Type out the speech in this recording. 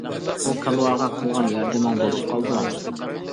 ئۇ كالۋاغا قىلغان ياردىمىڭ بولۇپ قالىدۇ.